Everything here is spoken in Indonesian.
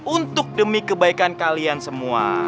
untuk demi kebaikan kalian semua